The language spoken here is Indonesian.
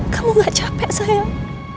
kamu gak capek sayang